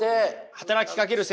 働きかける世界。